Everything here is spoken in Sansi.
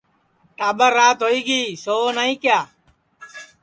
ٹاٻر رات ہوئی گی سؤ نائی کیا